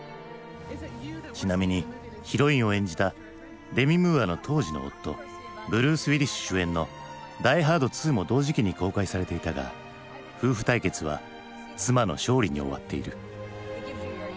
ちなみにヒロインを演じたデミ・ムーアの当時の夫ブルース・ウィリス主演の「ダイ・ハード２」も同時期に公開されていたが夫婦対決は妻の勝利に終わっている。